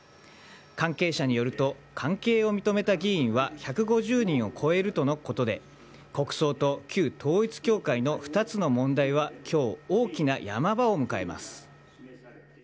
関係者によると関係を認めた議員は１５０人を超えるとのことで国葬と旧統一教会の２つの問題は今日、大きな山場を迎えます。